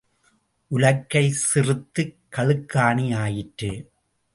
உலக்கை சிறுத்துக் கழுக்காணி ஆயிற்று.